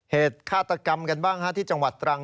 เหตุฆาตกรรมกันบ้างที่จังหวัดตรัง